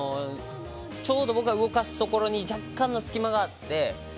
ちょうど僕が動かすところに若干の隙間があって。